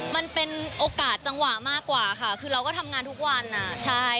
มันเป็นโอกาสจังหวะมากกว่าค่ะคือเราก็ทำงานทุกวันอ่ะใช่